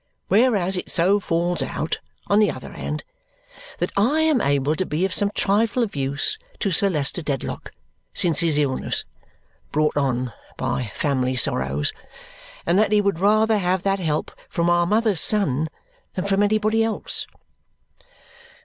Whereas it so falls out, on the other hand, that I am able to be of some trifle of use to Sir Leicester Dedlock since his illness brought on by family sorrows and that he would rather have that help from our mother's son than from anybody else."